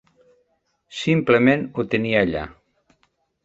Simplement ho tenia allà.